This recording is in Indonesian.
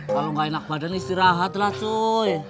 kalau gak enak badan istirahatlah cuy